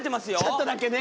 ちょっとだけね。